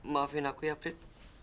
maafin aku ya prit